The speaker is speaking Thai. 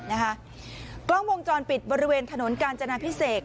กล้องวงจรปิดบริเวณถนนกาญจนาพิเศษ